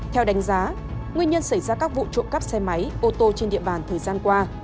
theo đánh giá nguyên nhân xảy ra các vụ trộm cắp xe máy ô tô trên địa bàn thời gian qua